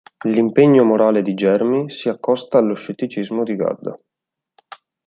L'impegno morale di Germi si accosta allo scetticismo di Gadda.